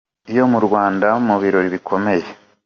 iyo mu Rwanda Mu birori bikomeye.